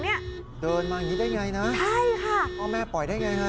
เดินมาอย่างนี้ได้ไงนะพ่อแม่ปล่อยได้ไง